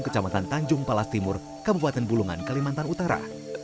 kecamatan tanjung palas timur kabupaten bulungan kalimantan utara